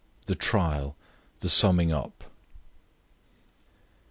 THE TRIAL THE SUMMING UP.